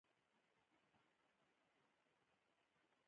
د اتریشیانو څراغونو زموږ تر شا غر باندې رڼاګانې اچولي وې.